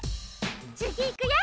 つぎいくよ！